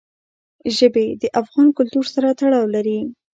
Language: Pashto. ژبې د افغان کلتور سره تړاو لري.